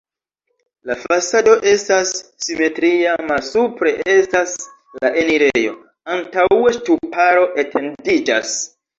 La fasado estas simetria, malsupre estas la enirejo, antaŭe ŝtuparo etendiĝas.